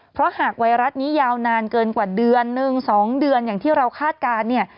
เพราะหากไวรัสนี้ยาวนานเกินกว่าเดือนนึง๒เดือนอย่างที่เราคาดการณ์เนี่ย